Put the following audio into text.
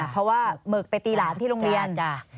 เพราะว่าหมึกไปตีหลานที่โรงเรียน